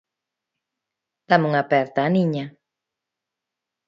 –Dáme unha aperta, Aniña...